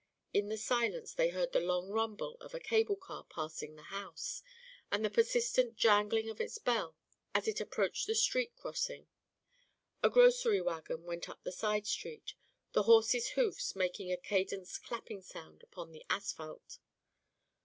In the silence they heard the long rumble of a cable car passing the house, and the persistent jangling of its bell as it approached the street crossing. A grocery wagon went up the side street, the horses' hoofs making a cadenced clapping sound upon the asphalt.